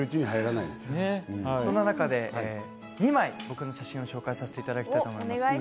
そんな中で２枚、僕の写真を紹介させていただきたいと思います。